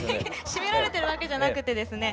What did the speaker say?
絞められてるわけじゃなくてですね